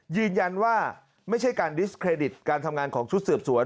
ยืนยันว่าไม่ใช่การดิสเครดิตการทำงานของชุดสืบสวน